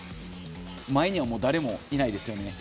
前には誰もいないですよね。